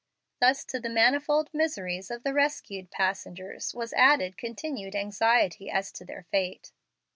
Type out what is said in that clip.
Thus, to the manifold miseries of the rescued passengers, was added continued anxiety as to their fate.